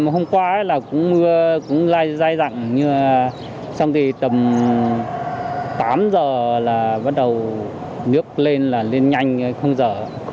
hôm qua cũng dài dặn xong thì tầm tám giờ là bắt đầu nước lên lên nhanh không dở